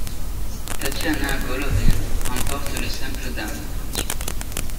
Tatiana Golovin remporte le simple dames.